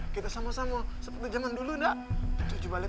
kita sama sama seperti zaman dulu alang